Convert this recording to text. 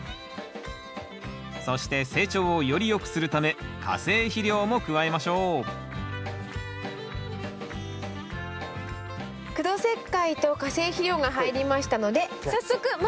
そして成長をよりよくするため化成肥料も加えましょう苦土石灰と化成肥料が入りましたので早速混ぜていきましょうか。